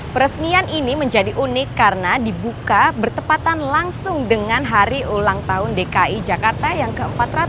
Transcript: peresmian ini menjadi unik karena dibuka bertepatan langsung dengan hari ulang tahun dki jakarta yang ke empat ratus sembilan puluh